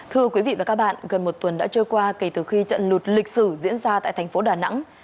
thưa quý vị và các bạn gần một tuần đã trôi qua kể từ khi trận lụt lịch sử diễn ra tại thành phố đà nẵng